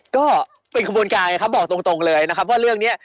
ก็เป็นกระบวนการครับบอกตรงเลยนะครับว่าเรื่องนี้